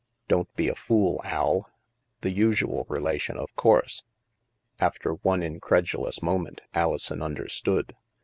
Don't be a fool, Al. The usual relation, of course." After one incredulous moment, Alison understood.